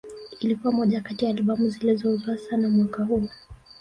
Ilikuwa moja kati ya Albamu zilizouzwa sana mwaka huo